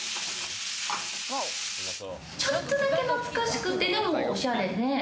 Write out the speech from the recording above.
ちょっとだけ懐かしくて、でもおしゃれで。